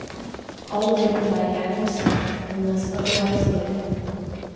All written by Adam Sandler, unless otherwise noted.